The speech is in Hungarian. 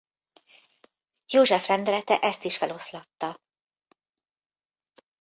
József rendelete ezt is feloszlatta.